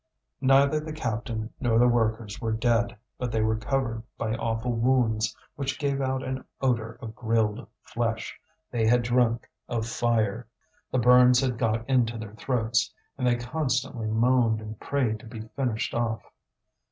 Neither the captain nor the workers were dead, but they were covered by awful wounds which gave out an odour of grilled flesh; they had drunk of fire, the burns had got into their throats, and they constantly moaned and prayed to be finished off.